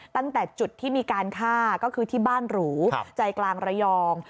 ตั้งแต่จุดที่มีการฆ่าก็คือที่บ้านหรูใจกลางระยอง